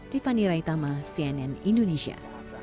tiffany raitama cnn indonesia